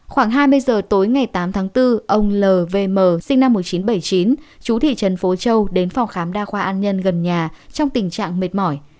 khoảng hai mươi giờ tối ngày tám tháng bốn ông lvm sinh năm một nghìn chín trăm bảy mươi chín chú thị trấn phố châu đến phòng khám đa khoa an nhân gần nhà trong tình trạng mệt mỏi